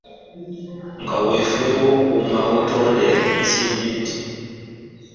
Mu kaweefube w'okukuuma obutonde nsimbye emiti.